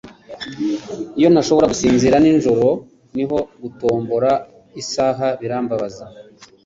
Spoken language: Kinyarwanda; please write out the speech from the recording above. Iyo ntashobora gusinzira nijoro niho gutombora isaha birambabaza.